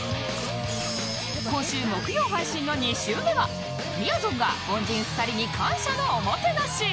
今週木曜配信の２週目はみやぞんが恩人２人に感謝のおもてなし